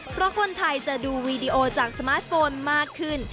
เพราะคนไทยจะดูวีดีโอจากสมาร์ทโฟนมากขึ้น